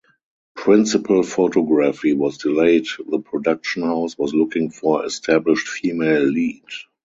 Principal photography was delayed the production house was looking for established female lead.